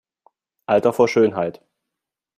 Alter vor Schönheit!